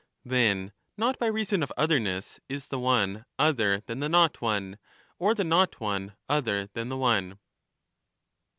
Then not by reason of otherness is the one other than the not one, or the not one other than the one.